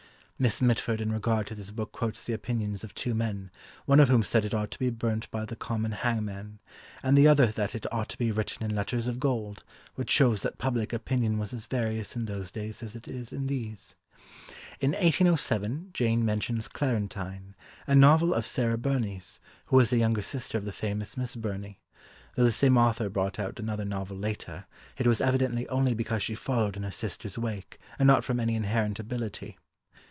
Miss Mitford in regard to this book quotes the opinions of two men, one of whom said it ought to be burnt by the common hangman and the other that it ought to be written in letters of gold, which shows that public opinion was as various in those days as it is in these. In 1807, Jane mentions Clarentine, a novel of Sarah Burney's, who was a younger sister of the famous Miss Burney; though the same author brought out another novel later, it was evidently only because she followed in her sister's wake, and not from any inherent ability.